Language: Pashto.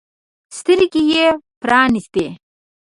سترګې يې پرانیستې.